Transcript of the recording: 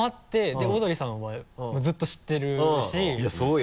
でオードリーさんはずっと知ってるしいやそうよ。